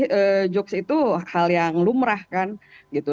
memang menurut saya sih jokes itu hal yang lumrah kan gitu